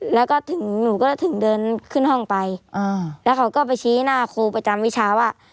แล้วก็ถึงหนูก็ถึงเดินขึ้นห้องไปอ่าแล้วเขาก็ไปชี้หน้าครูประจำวิชาว่า